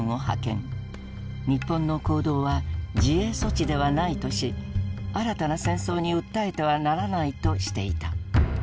日本の行動は自衛措置ではないとし新たな戦争に訴えてはならないとしていた。